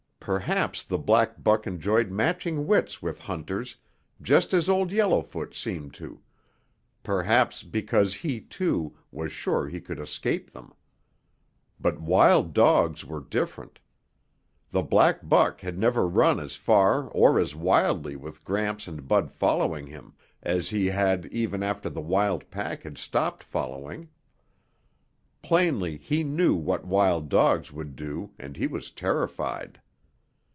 Perhaps the black buck enjoyed matching wits with hunters just as Old Yellowfoot seemed to, perhaps because he, too, was sure he could escape them. But wild dogs were different. The black buck had never run as far or as wildly with Gramps and Bud following him as he had even after the wild pack had stopped following. Plainly he knew what wild dogs could do and he was terrified.